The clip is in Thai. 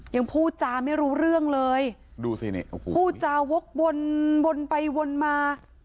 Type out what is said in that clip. ยังพูดจาไม่รู้เรื่องเลยพูดจาวกวนวนไปวนมา